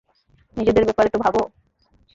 নিজেদের ব্যাপারে তো ভাবো।